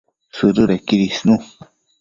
Sëdëdequid isnu